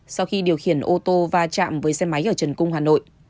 sau khi điều khiển ô tô va chạm với xe máy ở trần cung hà nội